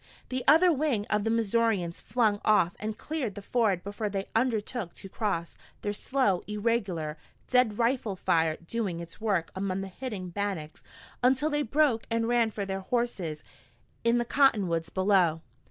The other wing of the Missourians flung off and cleared the ford before they undertook to cross, their slow, irregular, deadly rifle fire doing its work among the hidden Bannacks until they broke and ran for their horses in the cottonwoods below.